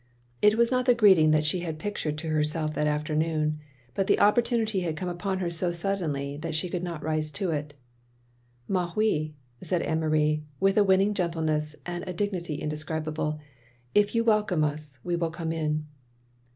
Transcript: It was not the greeting that she had pictured to herself that afternoon. But the opporttmity had come upon her so suddenly that she could not rise to it. "Mais oui," said Anne Marie, with a winning gentleness and a dignity indescribable, "if you welcome us, we will come in.